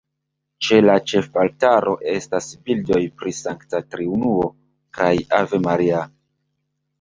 Ĉe la ĉefaltaro estas bildoj pri Sankta Triunuo kaj Ave Maria.